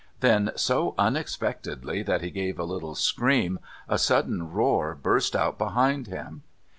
Then, so unexpectedly that he gave a little scream, a sudden roar burst out behind him.